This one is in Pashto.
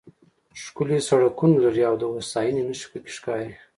ښکلي سړکونه لري او د هوساینې نښې پکې ښکاري.